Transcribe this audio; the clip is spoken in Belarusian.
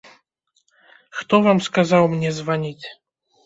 Хто вам сказаў мне званіць?